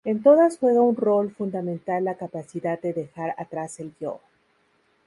En todas juega un rol fundamental la capacidad de dejar atrás el Yo.